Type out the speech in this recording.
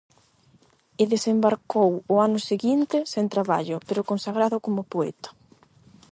E desembarcou ao ano seguinte, sen traballo pero consagrado como poeta.